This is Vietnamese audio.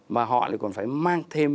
mà họ lại còn phải mang thêm